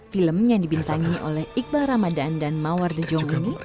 film yang dibintangi oleh iqbal ramadan dan mawar the jong ini